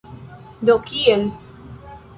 Do kiel?